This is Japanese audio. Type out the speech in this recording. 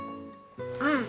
うん！